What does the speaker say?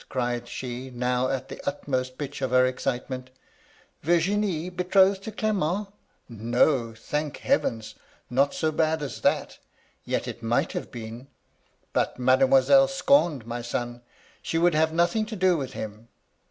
cried she, now at the utmost pitch of her excitement *Virginie betrothed to Qement? — no I thank heaven, not so bad as that! Yet it might have been. But Mademoiselle scorned my son! She would have nothing to do with him.